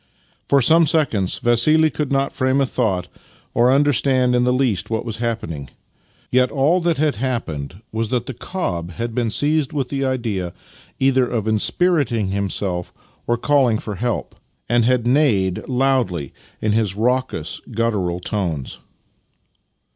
For some seconds Vassili could not frame a thought or understand in the least what was happening. Yet all that had happened was that the cob had been seized with the idea either of inspiriting himself or of calling for help, and had neighed loudly in his raucous, guttural tones.